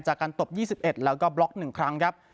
จากการตบยี่สิบเอ็ดแล้วก็บล็อกหนึ่งครั้งครับ